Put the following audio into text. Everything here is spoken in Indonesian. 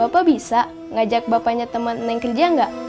kok bisa ngajak bapaknya temen neng kerja gak